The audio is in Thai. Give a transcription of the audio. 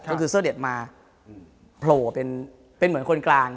ก็คือเสื้อเด็ดมาโผล่เป็นเหมือนคนกลาง